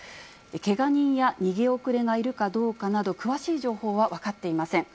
けが人や逃げ遅れがいるかどうかなど、詳しい情報は分かっていません。